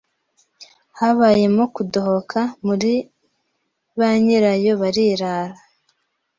habayemo kudohoka, muri banyirayo barirara